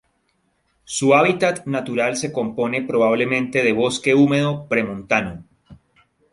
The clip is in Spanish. Su hábitat natural se compone probablemente de bosque húmedo premontano.